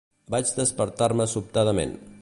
Vaig despertar-me sobtadament.